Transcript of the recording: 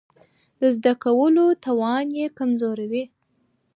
د زده کولو توان يې کمزوری وي.